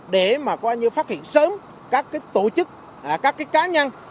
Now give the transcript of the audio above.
để mà coi như phát hiện sớm các cái tổ chức các cái cá nhân